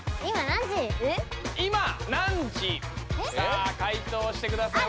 さあ解答してください。